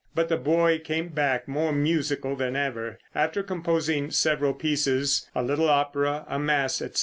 But the boy came back more musical than ever. After composing several pieces, a little opera, a mass, etc.